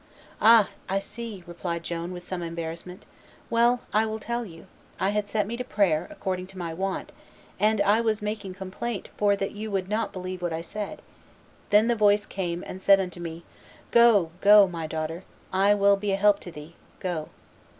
"Ah! I see," replied Joan, with some embarrassment: "well, I will tell you. I had set me to prayer, according to my wont, and I was making complaint for that you would not believe what I said; then the voice came and said unto me, 'Go, go, my daughter; I will be a help to thee; go.